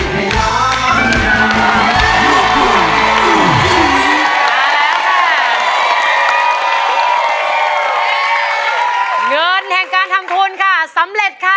วันแทนการทำคุณค่ะสำเร็จค่ะ